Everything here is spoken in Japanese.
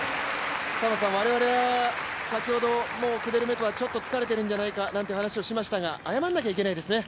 我々は先ほど、クデルメトワ、もう疲れているんじゃないかと話しましたが、謝らなきゃいけないですね。